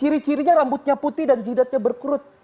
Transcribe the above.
rambutnya putih dan judatnya berkurut